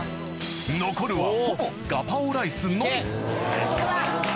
残るはほぼガパオライスのみ男だ！